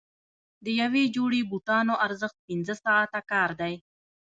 د یوې جوړې بوټانو ارزښت پنځه ساعته کار دی.